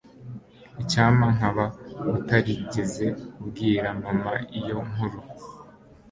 Icyampa nkaba utarigeze ubwira mama iyo nkuru